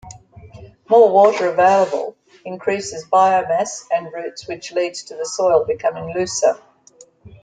More water available increases biomass and roots which leads to the soil becoming looser.